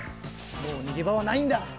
もうにげばはないんだ！